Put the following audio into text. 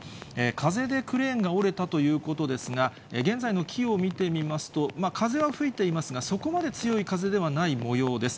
風でクレーンが折れたということですが、現在の木を見てみますと、風は吹いていますが、そこまで強い風ではないもようです。